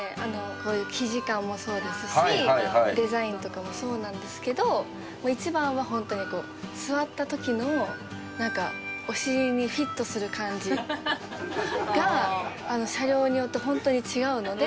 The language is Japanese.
こういう生地感もそうですしデザインとかもそうなんですけど一番はホントに座った時のお尻にフィットする感じ。が車両によってホントに違うので。